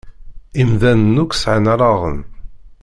Imdanen akk sεan allaɣen.